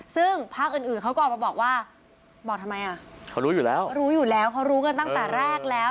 ซึ่งภาคอื่นอื่นเขาก็ออกมาบอกว่าบอกทำไมอ่ะเขารู้อยู่แล้วรู้อยู่แล้วเขารู้กันตั้งแต่แรกแล้ว